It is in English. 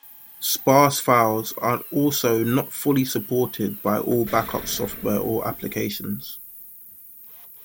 Sparse files are also not fully supported by all backup software or applications.